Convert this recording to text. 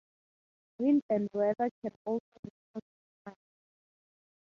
Wind and weather can also be customized.